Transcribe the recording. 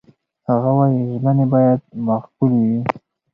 هغه وايي، ژمنې باید معقولې وي.